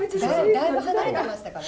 だいぶ離れてましたからね。